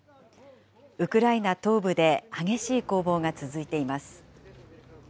ウクライナ東部で激しい攻防が続いています。